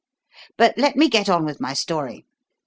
But let me get on with my story.